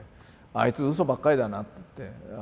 「あいつうそばっかりだな」って。